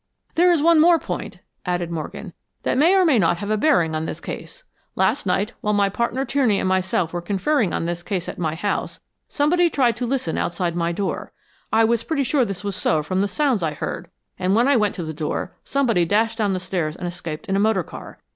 "There is one more point," added Morgan, "that may or may not have a bearing on this case. Last night, while my partner Tierney and myself were conferring on this case at my house, somebody tried to listen outside my door. I was pretty sure this was so from the sounds I heard; and when I went to the door, somebody dashed down the stairs and escaped in a motor car.